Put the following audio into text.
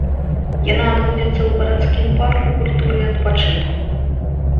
Яна адбудзецца ў гарадскім парку культуры і адпачынку.